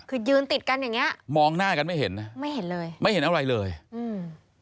คือยืนติดกันอย่างเงี้ยมองหน้ากันไม่เห็นนะไม่เห็นเลยไม่เห็นอะไรเลยอืม